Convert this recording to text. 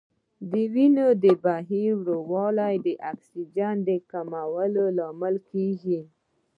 د وینې بهیر ورو والی د اکسیجن کموالي لامل کېږي.